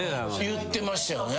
言ってましたね。